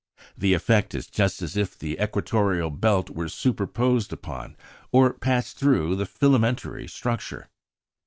The effect is just as if the equatorial belt were superposed upon, or passed through, the filamentary structure.